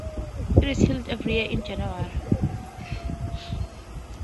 It is held every year in January.